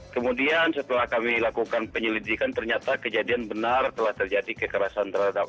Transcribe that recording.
kemudian setelah kami lakukan penyelidikan ternyata kejadian benar telah terjadi kekerasan terhadap